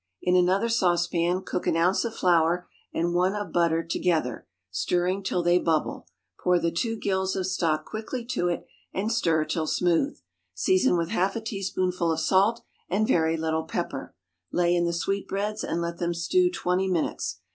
In another saucepan cook an ounce of flour and one of butter together, stirring till they bubble; pour the two gills of stock quickly to it, and stir till smooth. Season with half a teaspoonful of salt and very little pepper; lay in the sweetbreads, and let them stew twenty minutes.